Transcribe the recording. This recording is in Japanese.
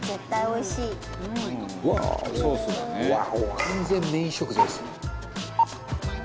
「完全メイン食材ですね」